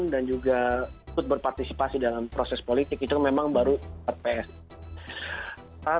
dan juga ikut berpartisipasi dalam proses politik itu memang baru terpsi